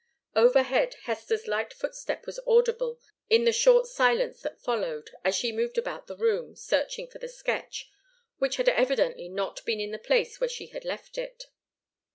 Overhead, Hester's light footstep was audible in the short silence that followed, as she moved about the room, searching for the sketch, which had evidently not been in the place where she had left it.